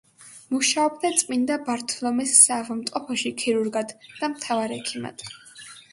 მუშაობდა წმინდა ბართლომეს საავადმყოფოში ქირურგად და მთავარ ექიმად.